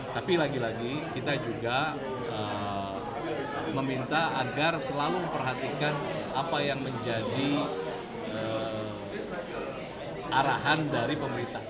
tapi lagi lagi kita juga meminta agar selalu memperhatikan apa yang menjadi arahan dari pemerintah